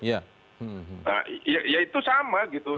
ya itu sama gitu